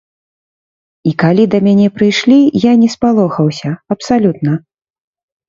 І калі да мяне прыйшлі, я не спалохаўся, абсалютна.